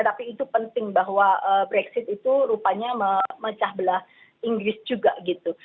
tapi itu penting bahwa brexit itu rupanya memecah belah inggris juga gitu